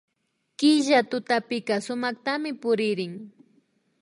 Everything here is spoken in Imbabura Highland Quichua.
Killa tutapika sumaktami puririn